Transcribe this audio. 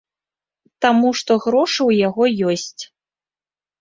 Таму што грошы ў яго ёсць.